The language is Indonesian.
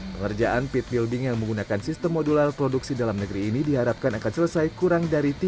pengerjaan pit building yang menggunakan sistem modular produksi dalam negeri ini diharapkan akan selesai kurang dari tiga bulan